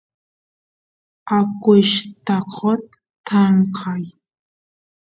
akuyshtaqot tankay